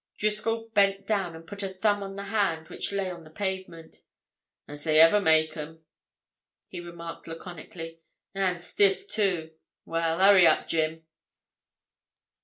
Driscoll bent down and put a thumb on the hand which lay on the pavement. "As ever they make 'em," he remarked laconically. "And stiff, too. Well, hurry up, Jim!"